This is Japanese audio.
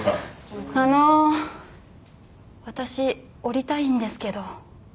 私降りたいんですけど。